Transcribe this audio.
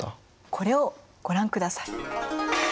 これをご覧ください。